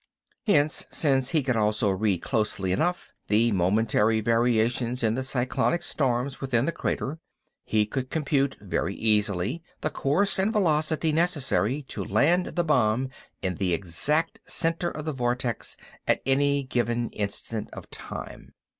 Hence, since he could also read closely enough the momentary variations in the cyclonic storms within the crater, he could compute very easily the course and velocity necessary to land the bomb in the exact center of the vortex at any given instant of time.